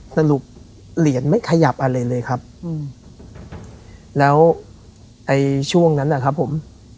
สรุปเหรียญไม่ขยับอะไรเลยครับแล้วไอ้ช่วงนั้นนะครับผม